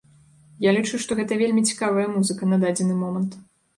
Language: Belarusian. Я лічу, што гэта вельмі цікавая музыка на дадзены момант.